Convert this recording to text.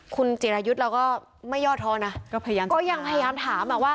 คุณจิรายุทธ์เราก็ไม่ย่อท้อนะก็ยังพยายามถามอ่ะว่า